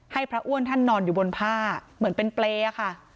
พระอ้วนท่านนอนอยู่บนผ้าเหมือนเป็นเปรย์ค่ะ